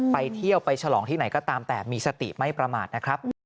ไปเที่ยวไปฉลองที่ไหนก็ตามแต่มีสติไม่ประมาทนะครับ